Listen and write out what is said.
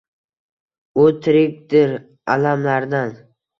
U tirikdir, alamlardan